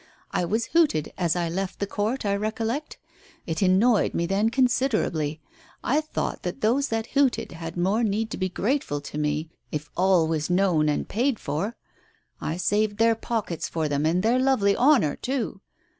I was hooted as I left the court, I recollect. It annoyed me then considerably. I thought that those that hooted had more need to be grateful to me if all was known and paid for. I saved their pockets for them and their lovely honour too.